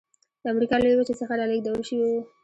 د امریکا لویې وچې څخه رالېږدول شوي وو.